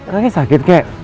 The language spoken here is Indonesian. kakek sakit kakek